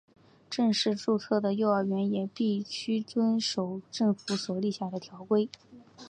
正式注册的幼儿园也必须遵守政府所立下的条规。